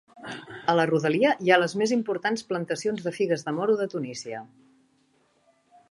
A la rodalia hi ha les més importants plantacions de figues de moro de Tunísia.